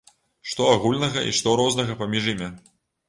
Што агульнага і што рознага паміж імі?